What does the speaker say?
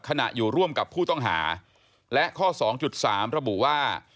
ขณะอยู่ร่วมกับผู้ต้องหาและข้อสองจุดสามระบุว่า